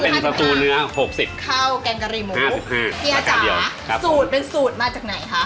เป็นสตูเนื้อ๖๐เข้าแกนกะหรี่หมู๕๕เหี้ยจ๋าไงสูตรเป็นสูตรมาจากไหนคะ